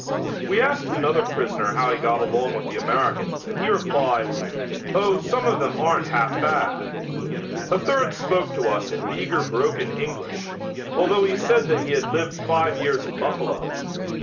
We asked another prisoner how he got along with the Americans and he replied: "Oh, some of them aren't half bad." A third spoke to us in meager broken English, although he said that he had lived five years in Buffalo.